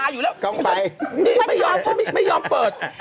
ช่างจะบาอยู่แล้วเครื่องไฟวันเช้านี่ไม่ยอมเปิด